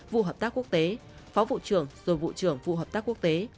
vụ hợp tác quốc tế phó vụ trưởng rồi vụ trưởng vụ hợp tác quốc tế